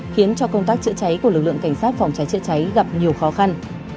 khiến cho công tác chữa cháy của lực lượng cảnh sát phòng cháy chữa cháy gặp nhiều khó khăn